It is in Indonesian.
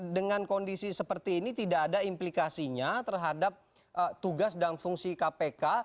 dengan kondisi seperti ini tidak ada implikasinya terhadap tugas dan fungsi kpk